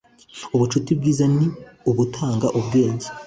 ubucuti bwiza ni ubutanga ubwenge